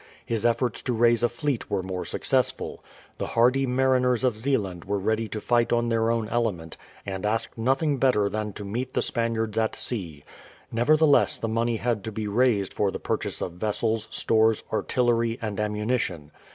His efforts to raise a fleet were more successful. The hardy mariners of Zeeland were ready to fight on their own element, and asked nothing better than to meet the Spaniards at sea. Nevertheless the money had to be raised for the purchase of vessels, stores, artillery, and ammunition.